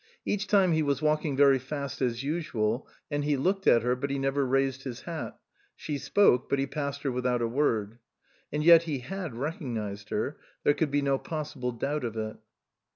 Each time he was walking very fast as usual, and he looked at her, but he never raised his hat ; she spoke, but he passed her without a word. And yet he had recognised her ; there could be no possible doubt of it.